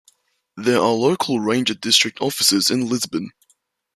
There are local ranger district offices in Lisbon.